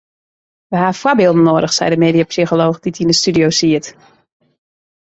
We ha foarbylden noadich sei de mediapsycholooch dy't yn de studio siet.